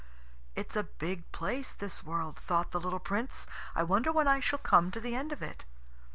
"It's a big place, this world," thought the little Prince. "I wonder when I shall come to the end of it."